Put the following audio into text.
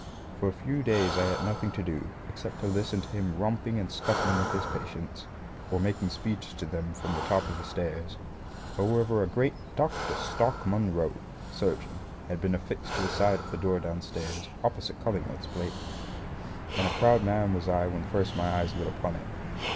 For a few days I had nothing to do, except to listen to him romping and scuffling with his patients, or making speeches to them from the top of the stairs. However, a great "Dr. Stark Munro, Surgeon," has been affixed to the side of the door downstairs, opposite Cullingworth's plate; and a proud man was I when first my eyes lit upon it.